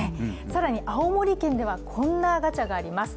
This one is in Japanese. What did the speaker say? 更に青森県ではこんなガチャがあります。